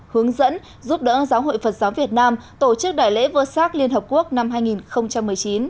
hướng dẫn giúp đỡ giáo hội phật giáo việt nam tổ chức đại lễ vơ sát liên hợp quốc năm hai nghìn một mươi chín